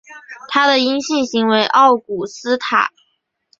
它的阴性型为奥古斯塔。